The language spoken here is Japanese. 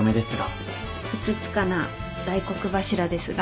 ふつつかな大黒柱ですが